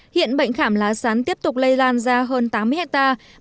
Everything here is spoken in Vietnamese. hiện bệnh khảm lá sắn tiếp tục lây lan ra hơn tám mươi hectare